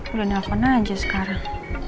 udah nelfon aja sekarang